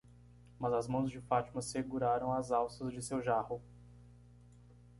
Mas as mãos de Fátima seguraram as alças de seu jarro.